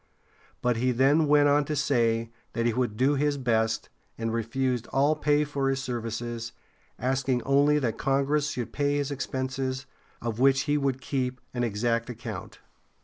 But he then went on to say that he would do his best, and refused all pay for his services, asking only that Congress should pay his expenses, of which he would keep an exact account.